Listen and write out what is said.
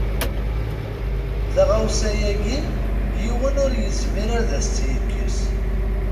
Taɣawsa-ayi yiwen ur yezmir ad as-tt-yekkes.